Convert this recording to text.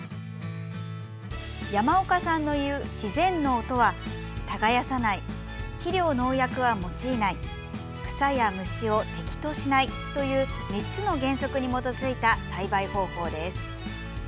山岡さんのいう自然農とは耕さない、肥料農薬は用いない草や虫を敵としないという３つの原則に基づいた栽培方法です。